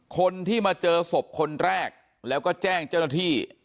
คนที่มาเจอศพคนแรกแล้วก็แจ้งเจ้าหน้าที่